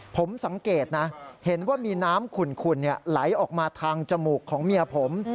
ผมสังเกตนะเห็นว่ามีน้ำขุ่นไหลออกมาทางจมูกของเมียผม